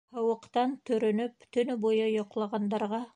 Һыуыҡтан төрөнөп, төнө буйы йоҡлағандарға